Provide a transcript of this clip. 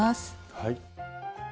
はい。